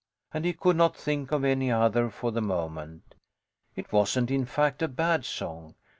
And he could not think of any other for the moment. It wasn't, in fact, a bad song.